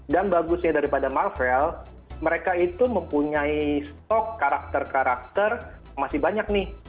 dan bagusnya daripada marvel mereka itu mempunyai stok karakter karakter masih banyak nih